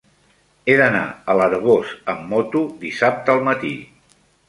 He d'anar a l'Arboç amb moto dissabte al matí.